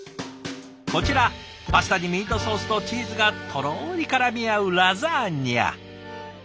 こちらパスタにミートソースとチーズがとろりからみ合うラザニア。